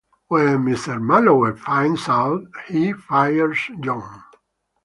When Mr. Marlowe finds out, he fires John.